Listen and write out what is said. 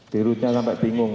dirutnya sampai bingung